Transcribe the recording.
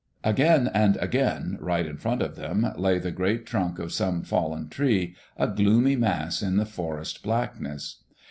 Again and again, right in front of them, lay the great trunk of some fallen tree, a gloomy mass in the forest blackness.